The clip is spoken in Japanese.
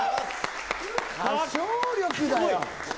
歌唱力だよ！